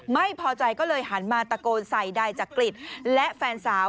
ไม่พอใจก็เลยหันมาตะโกนใส่นายจักริตและแฟนสาว